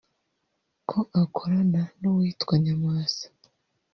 ko akorana n’uwitwa Nyamwasa